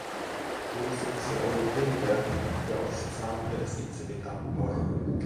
Olisiko se ollut niin väärin, että olisin saanut edes itseni tappaa?